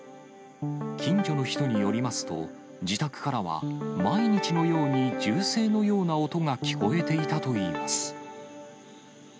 近所の人によりますと、自宅からは、毎日のように銃声のような音が聞こえていたといいます。